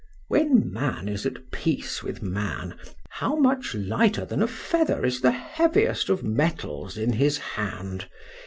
When man is at peace with man, how much lighter than a feather is the heaviest of metals in his hand!